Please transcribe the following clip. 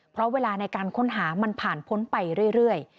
เพราะเวลาในการค้นหามันผ่านพ้นไปเรื่อย